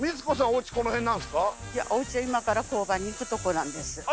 おうちは今から工場に行くとこなんです。